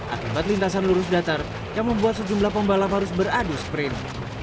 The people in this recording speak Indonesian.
akibat lintasan lurus datar yang membuat sejumlah pembalap harus beradu sprint